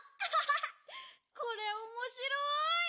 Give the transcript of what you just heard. これおもしろい！